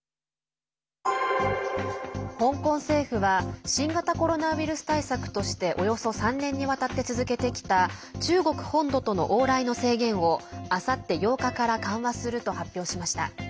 香港政府は新型コロナウイルス対策としておよそ３年にわたって続けてきた中国本土との往来の制限をあさって８日から緩和すると発表しました。